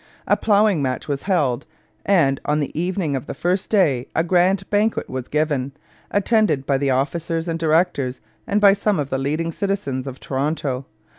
A ploughing match was held, and on the evening of the first day a grand banquet was given, attended by the officers and directors and by some of the leading citizens of Toronto.